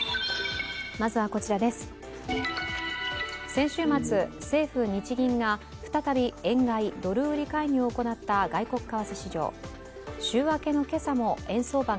先週末、政府・日銀が再び円買い・ドル売り介入を行った外国為替市場。